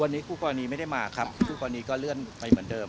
วันนี้คู่กรณีไม่ได้มาครับคู่กรณีก็เลื่อนไปเหมือนเดิม